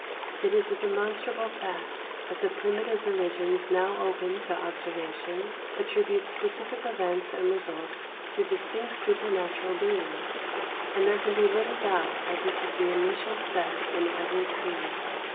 It is a demonstrable fact that the primitive religions now open to observation attribute specific events and results to distinct supernatural beings; and there can be little doubt that this is the initial step in every creed.